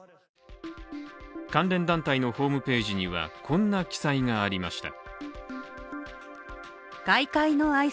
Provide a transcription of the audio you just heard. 関連団体のホームページにはこんな記載がありました。